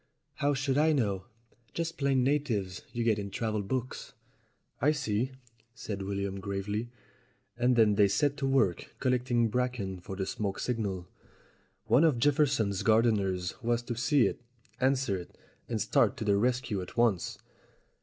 "How should I know? Just plain natives you get in travel books." "I see," said William gravely. And then they set to work collecting bracken for the smoke signal. One of Jefferson's gardeners was to see it, answer it, and start to the rescue at once.